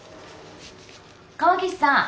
川岸さん。